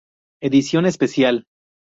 Edición especial